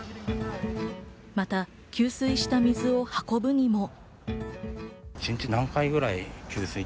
また給水した水を運ぶにも。